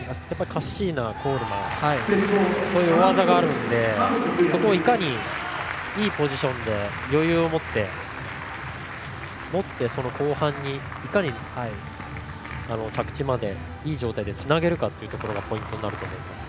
カッシーナ、コールマンそういう大技があるのでそこをいかにいいポジションで余裕を持って後半にいかに着地までいい状態でつなげるかがポイントになると思います。